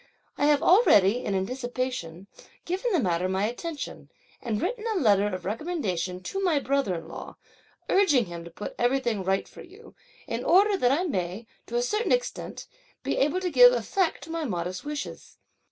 I have already, in anticipation, given the matter my attention, and written a letter of recommendation to my brother in law, urging him to put everything right for you, in order that I may, to a certain extent, be able to give effect to my modest wishes.